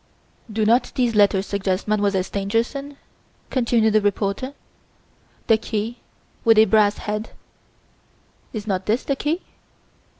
Do not these letters suggest Mademoiselle Stangerson?" continued the reporter. "The 'key with a brass head' is not this the key?